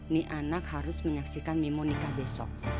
nih anak harus menyaksikan mimo nikah besok